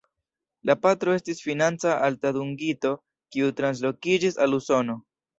La patro estis financa alta dungito kiu translokiĝis al Usono.